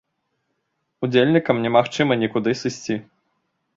Удзельнікам немагчыма нікуды сысці.